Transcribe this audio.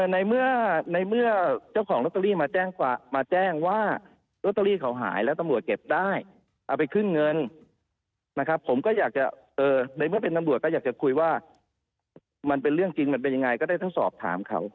ในเมื่อในเมื่อเจ้าของลอตเตอรี่มาแจ้งว่าลอตเตอรี่เขาหายแล้วตำรวจเก็บได้เอาไปขึ้นเงินนะครับผมก็อยากจะในเมื่อเป็นตำรวจก็อยากจะคุยว่ามันเป็นเรื่องจริงมันเป็นยังไงก็ได้ทั้งสอบถามเขา